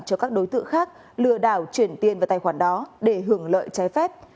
cho các đối tượng khác lừa đảo chuyển tiền vào tài khoản đó để hưởng lợi trái phép